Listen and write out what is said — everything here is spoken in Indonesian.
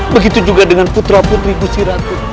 begitu juga dengan putra putri gusi ratu